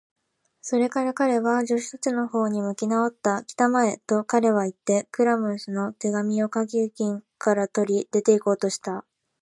それから彼は、助手たちのほうに向きなおった。「きたまえ！」と、彼はいって、クラムの手紙をかけ金から取り、出ていこうとした。